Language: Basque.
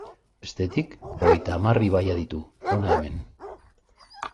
Bestetik, hogeita hamar ibaia ditu, hona hemen.